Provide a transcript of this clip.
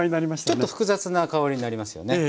ちょっと複雑な香りになりますよね。